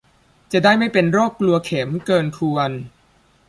จะได้ไม่เป็นโรคกลัวเข็มเกินควร